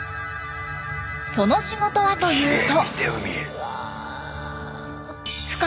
その仕事はというと。